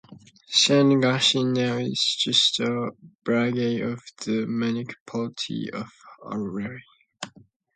San Agustin now is just a barangay of the Municipality of Aroroy.